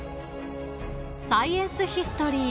「サイエンスヒストリー」。